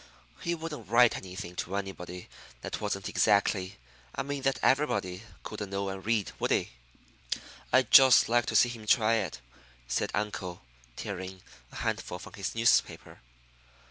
"He wouldn't write anything to anybody that wasn't exactly I mean that everybody couldn't know and read, would he?" "I'd just like to see him try it," said uncle, tearing a handful from his newspaper.